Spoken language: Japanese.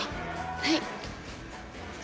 はい。